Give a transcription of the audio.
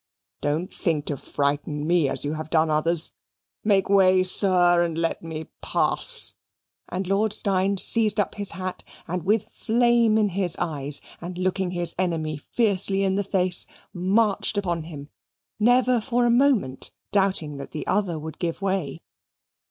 Don't think to frighten me as you have done others. Make way, sir, and let me pass"; and Lord Steyne seized up his hat, and, with flame in his eyes, and looking his enemy fiercely in the face, marched upon him, never for a moment doubting that the other would give way.